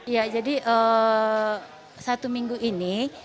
ya jadi satu minggu ini